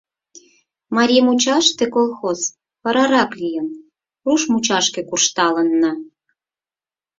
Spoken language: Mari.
Марий мучаште колхоз варарак лийын, руш мучашке куржталынна.